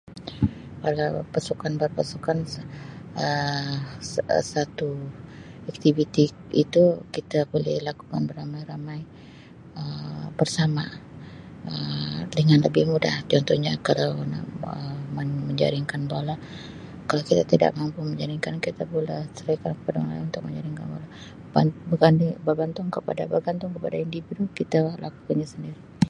Kalau pasukan berpasukan Um sa-satu aktiviti itu kita boleh lakukan beramai-ramai Um bersama Um dengan lebih mudah contohnya kalau Um nak Um menjaringkan bola kalau kita tidak mampu menjaringkan kita pula [unintelligible] orang lain untuk menjaringkan bola ber-berganding bergantung bergantung kepada individu kita lakukan nya sendiri.